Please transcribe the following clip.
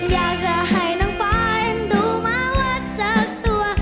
อยากจะให้น้องฟ้าเอ็นดูมาวัดสักตัว